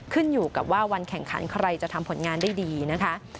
ขึ้นอยู่กับว่าวันแข่งขันใครจะทำผลงานได้ดีนะคะ